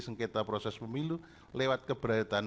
sengketa proses pemilu lewat keberatan